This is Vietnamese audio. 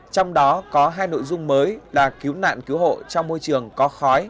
trong đó có hai nội dung mới là cứu nạn cứu hộ trong môi trường có khói